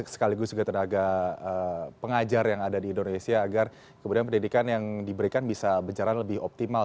sekaligus juga tenaga pengajar yang ada di indonesia agar kemudian pendidikan yang diberikan bisa berjalan lebih optimal